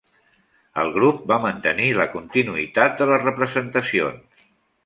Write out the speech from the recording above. El grup va mantenir la continuïtat de les representacions.